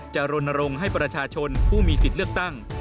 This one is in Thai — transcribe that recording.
รณรงค์ให้ประชาชนผู้มีสิทธิ์เลือกตั้ง